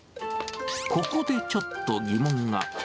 ここでちょっと疑問が。